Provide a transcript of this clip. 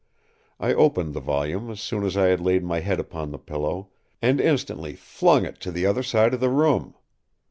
I opened the volume as soon as I had laid my head upon the pillow, and instantly flung it to the other side of the room.